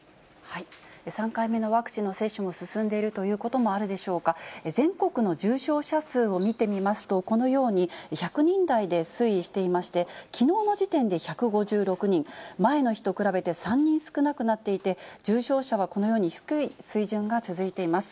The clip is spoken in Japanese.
３回目のワクチンの接種も進んでいるということもあるでしょうか、全国の重症者数を見てみますと、このように１００人台で推移していまして、きのうの時点で１５６人、前の日と比べて３人少なくなっていて、重症者はこのように低い水準が続いています。